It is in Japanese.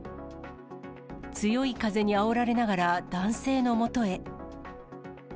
強い風にあおられながら男性のもとへ。